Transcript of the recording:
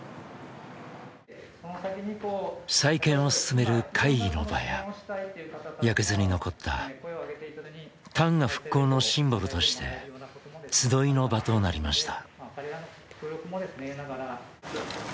再建を進める会議の場や焼けずに残った旦過復興のシンボルとして集いの場となりました。